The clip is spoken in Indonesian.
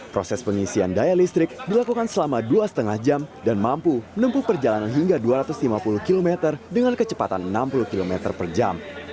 proses pengisian daya listrik dilakukan selama dua lima jam dan mampu menempuh perjalanan hingga dua ratus lima puluh km dengan kecepatan enam puluh km per jam